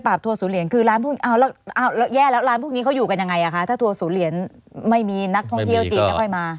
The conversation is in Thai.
บททัศูนคือร้านพวกเอาแล้วแย่แล้วร้านพวกนี้เขาอยู่กันยังไงอ่ะคะถ้าทัวร์ศูนยนไม่มีนักท่องเที่ยวจีนไม่ค่อยมา